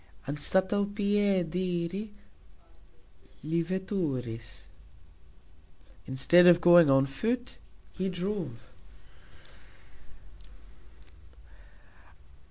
"Anstataux piediri, li veturis", Instead of going on foot, he drove.